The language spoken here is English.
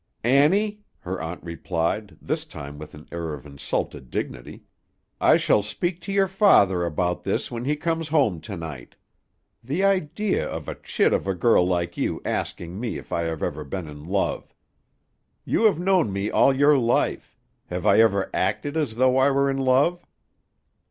"Annie," her aunt replied, this time with an air of insulted dignity, "I shall speak to your father about this when he comes home to night. The idea of a chit of a girl like you asking me if I have ever been in love! You have known me all your life; have I ever acted as though I were in love?"